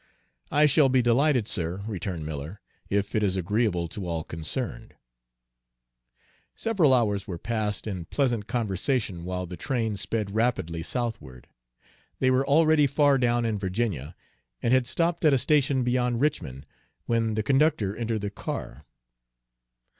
"I shall be delighted, sir," returned Miller, "if it is agreeable to all concerned." Several hours were passed in pleasant conversation while the train sped rapidly southward. They were already far down in Virginia, and had stopped at a station beyond Richmond, when the conductor entered the car.